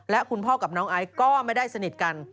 และคุณพ่อกับน้องไอซ์ก็ไม่ได้สนิทกัน